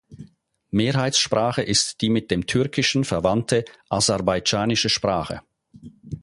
Mehrheitssprache ist die mit dem Türkischen verwandte aserbaidschanische Sprache.